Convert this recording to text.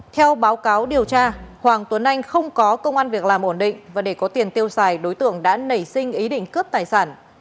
theo báo cáo điều tra hoàng tuấn anh không có công an việc làm ổn định và để có tiền tiêu xài đối tượng đã nảy sinh ý định cướp tài sản